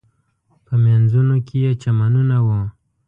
په مینځونو کې یې چمنونه و.